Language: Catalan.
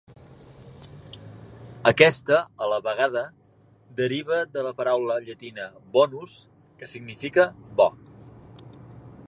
Aquesta, a la vegada, deriva de la paraula llatina "bonus", que significa bo.